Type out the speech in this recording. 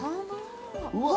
うわ！